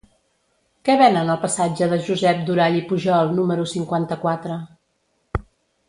Què venen al passatge de Josep Durall i Pujol número cinquanta-quatre?